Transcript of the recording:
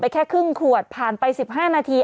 แค่ครึ่งขวดผ่านไป๑๕นาที